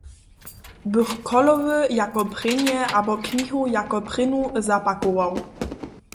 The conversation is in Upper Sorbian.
Bych cholowy jako prěnje abo knihu jako prěnju zapakował?